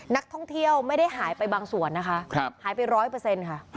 นักท่องเที่ยวไม่ได้หายไปบางส่วนหายไป๑๐๐ค่ะ